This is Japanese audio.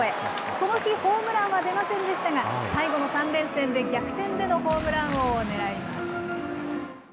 この日、ホームランは出ませんでしたが、最後の３連戦で逆転でのホームラン王を狙います。